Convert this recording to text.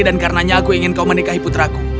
dan karenanya aku ingin kau menikahi putraku